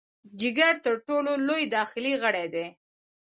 جګر تر ټولو لوی داخلي غړی دی.